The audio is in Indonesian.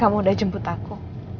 kamu udah jemput aku